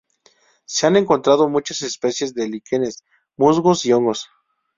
Se han encontrado muchas especies de líquenes, musgos y hongos.